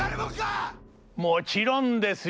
もちろんですよ！